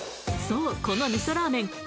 そうこの味噌ラーメン